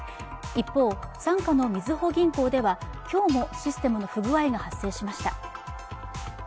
一方、傘下のみずほ銀行では今日もシステムの不具合が発生しました。